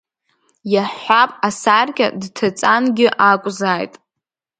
Иаҳҳәап, асаркьа дҭаҵангьы акәзааит.